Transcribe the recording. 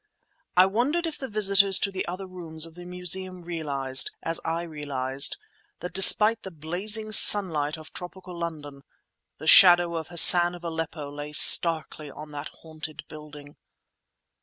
I wondered if the visitors to the other rooms of the Museum realized, as I realized, that despite the blazing sunlight of tropical London, the shadow of Hassan of Aleppo lay starkly on that haunted building?